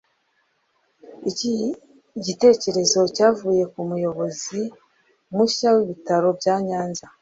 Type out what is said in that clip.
Iki gitekerezo cyavuye ku muyobozi mushya w’ibitaro bya Nyanza